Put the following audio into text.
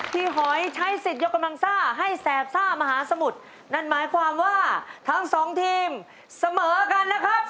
หอยใช้สิทธิ์ยกกำลังซ่าให้แสบซ่ามหาสมุทรนั่นหมายความว่าทั้งสองทีมเสมอกันนะครับ